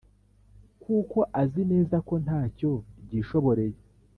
kuko azi neza ko nta cyo ryishoboreye.